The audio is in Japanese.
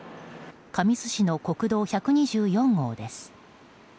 神栖市の国道１２４号です。